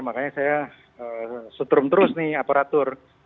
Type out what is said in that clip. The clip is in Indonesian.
makanya saya sutrum terus nih aparatur